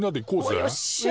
よっしゃ！